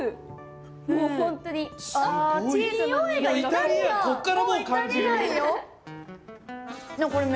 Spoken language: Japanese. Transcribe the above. もうイタリアンこっからもう感じる。